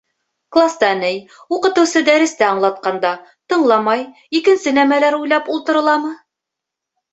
— Класта, ни, уҡытыусы дәресте аңлатҡанда, тыңламай, икенсе нәмәләр уйлап ултырыламы?